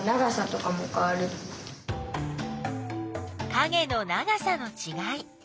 かげの長さのちがい。